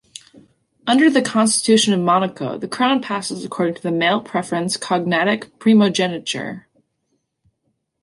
Under the constitution of Monaco, the crown passes according to male-preference cognatic primogeniture.